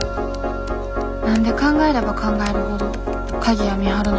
何で考えれば考えるほど鍵谷美晴なの？